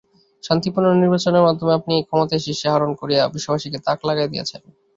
শান্তিপূর্ণ নির্বাচনের মাধ্যমে আপনি ক্ষমতার শীর্ষে আরোহণ করিয়া বিশ্ববাসীকে তাক লাগাইয়া দিয়াছেন।